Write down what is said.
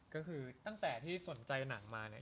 ก็คือตั้งแต่ที่สนใจหนังมาเนี่ย